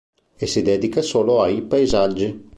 E si dedicava solo ai paesaggi.